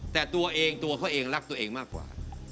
แต่ตัวเองตัวเขาเองรักตัวเองมากกว่า